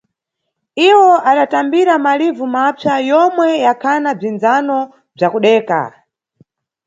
Iwo adatambira malivu mapsa yomwe yakhana bzindzano bza kudeka.